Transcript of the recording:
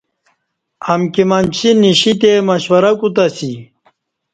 امکی منچی نشتے مشورہ کوتہ اسی